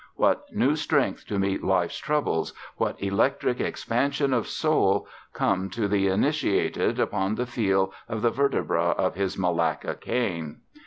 What new strength to meet life's troubles, what electric expansion of soul, come to the initiated upon the feel of the vertebra of his Malacca cane!